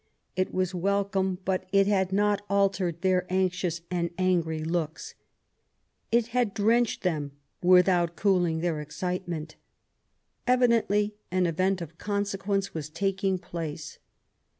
It was welcome, but it had not altered their anxious and angry looks; it had drenched them without cooling their excitement. Evidently an event of consequence was taking place.